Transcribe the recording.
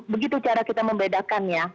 begitu cara kita membedakannya